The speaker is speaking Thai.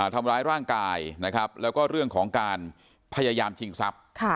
ทำร้ายร่างกายนะครับแล้วก็เรื่องของการพยายามชิงทรัพย์